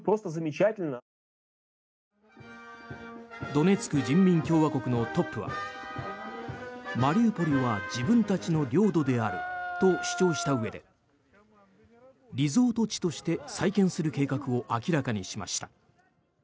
ドネツク人民共和国のトップはマリウポリは自分たちの領土であると主張したうえでリゾート地として再建する計画を明らかにしました。